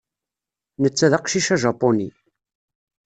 Netta d aqcic ajapuni.